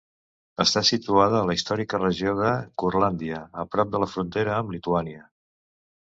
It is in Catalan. Està situada a la històrica regió de Curlàndia, a prop de la frontera amb Lituània.